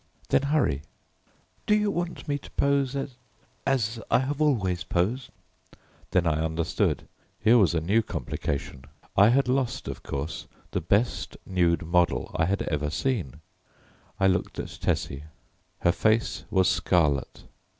"Then hurry." "Do you want me to pose as as I have always posed?" Then I understood. Here was a new complication. I had lost, of course, the best nude model I had ever seen. I looked at Tessie. Her face was scarlet.